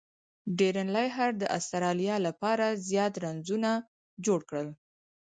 ډیرن لیهر د اسټرالیا له پاره زیات رنزونه جوړ کړل.